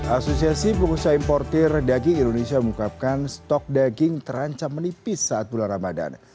asosiasi pengusaha importer daging indonesia mengungkapkan stok daging terancam menipis saat bulan ramadan